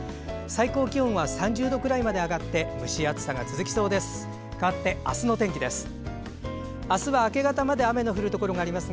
最高気温は３０度くらいまで上がって蒸し暑さが続きそうです。